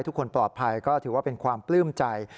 ทุกคนปลอดภัยก็ถือว่าเป็นความปลื้มใจ